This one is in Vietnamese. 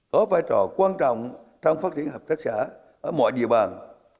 có vai trò quan trọng trong phát triển hợp tác xã ở mọi địa bàn